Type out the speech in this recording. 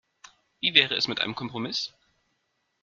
Wie wäre es mit einem Kompromiss?